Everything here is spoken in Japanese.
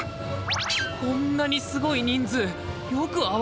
こんなにすごい人数よく合わせられたな！